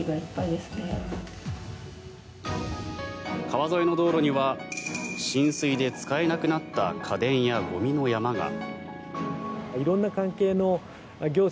川沿いの道路には浸水で使えなくなった家電やゴミの山が。